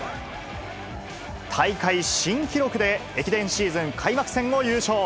大会新記録で駅伝シーズン開幕戦を優勝。